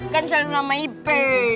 kan selalu nama iping